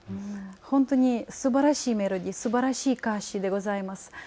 本当にすばらしいメロディー、すばらしい歌詞でございます。